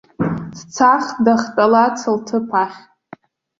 Дцахт дахьтәалац лҭыԥ ахь.